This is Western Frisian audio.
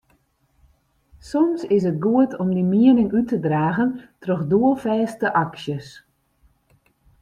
Soms is it goed om dyn miening út te dragen troch doelfêste aksjes.